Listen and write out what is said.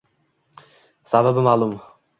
sababi maʼlum.